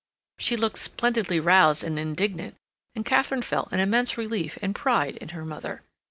She looked splendidly roused and indignant; and Katharine felt an immense relief and pride in her mother.